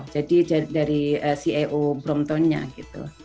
jadi dari ceo bromtonnya gitu